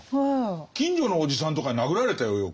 近所のおじさんとかに殴られたよよく。